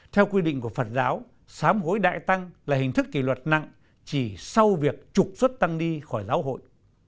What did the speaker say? theo quy định của phật giáo sám hối đại tăng là hình thức kỳ luật nặng chỉ sau việc trục xuất tăng ni khỏi giáo hội